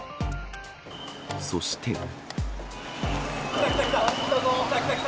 そして。来た、来た、来た。